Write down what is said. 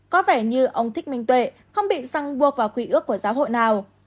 có vẻ như ông thích bình tuệ không bị răng buộc vào quý ước của giáo hội nào